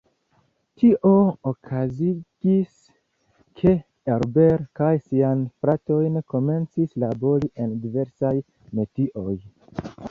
Tio okazigis, ke Herbert kaj siaj fratoj komencis labori en diversaj metioj.